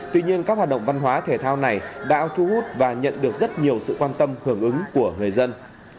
tuy nhiên các hoạt động văn hóa thể thao này đã thu hút và nhận được rất nhiều sự quan tâm hưởng ứng của người dân